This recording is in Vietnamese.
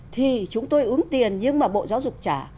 thì chúng tôi ứng tiền nhưng mà bộ giáo dục trả